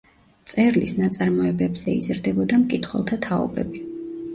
მწერლის ნაწარმოებებზე იზრდებოდა მკითხველთა თაობები.